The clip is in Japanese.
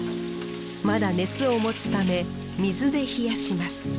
まだ熱を持つため水で冷やします。